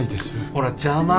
ほら邪魔。